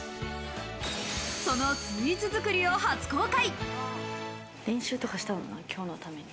そのスイーツ作りを初公開。